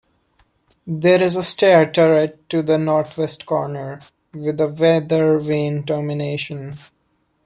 There is a stair turret to the north-west corner, with a Weather vane termination.